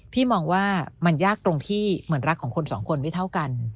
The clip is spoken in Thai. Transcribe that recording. พี่มองว่ามันยากตรงที่เหมือนรักของคนสองคนไม่เท่ากัน